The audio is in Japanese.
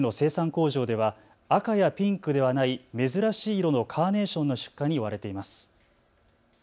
工場では赤やピンクではない珍しい色のカーネーションの出荷に追われています。